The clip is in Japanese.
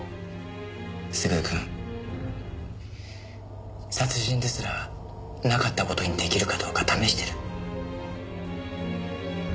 優くん殺人ですらなかった事に出来るかどうか試してる。